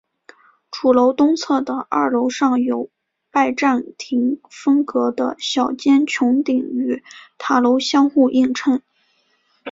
主楼东侧的二楼上有拜占廷风格的小尖穹顶与塔楼相互映衬。